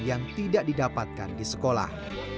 yang tidak didapatkan di sekolah